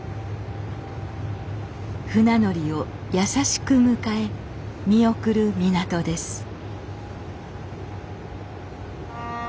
船乗りを優しく迎え見送る港です